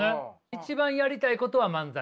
一番やりたいことは漫才？